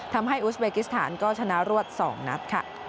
ทำให้อุสเบกิสถานก็ชนะรวด๒นัดค่ะ